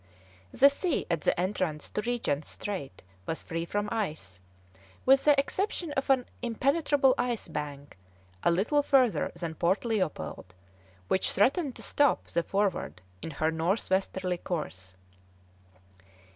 The sea at the entrance to Regent Strait was free from ice, with the exception of an impenetrable ice bank, a little further than Port Leopold, which threatened to stop the Forward in her north westerly course.